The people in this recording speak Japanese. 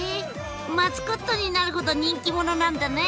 マスコットになるほど人気者なんだね！